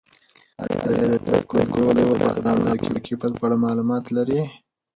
ایا د دایکنډي ولایت د بادامو د کیفیت په اړه معلومات لرې؟